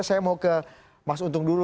saya mau ke mas untung dulu